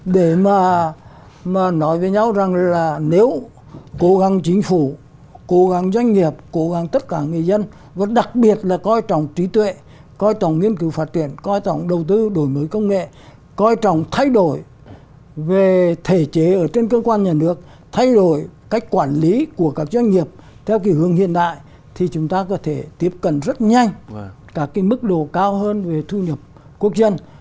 để mà nói với nhau rằng là nếu cố gắng chính phủ cố gắng doanh nghiệp cố gắng tất cả người dân và đặc biệt là coi trọng trí tuệ coi trọng nghiên cứu phát triển coi trọng đầu tư đổi mới công nghệ coi trọng thay đổi về thể chế ở trên cơ quan nhà nước thay đổi cách quản lý của các doanh nghiệp theo kỳ hướng hiện đại thì chúng ta có thể tiếp cận rất nhanh các cái mức độ cao hơn về thu nhập quốc dân